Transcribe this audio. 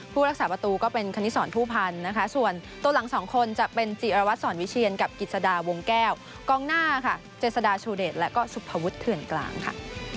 รักษาประตูก็เป็นคณิตสอนผู้พันธ์นะคะส่วนตัวหลังสองคนจะเป็นจิรวัตรสอนวิเชียนกับกิจสดาวงแก้วกองหน้าค่ะเจษฎาชูเดชและก็สุภวุฒิเถื่อนกลางค่ะ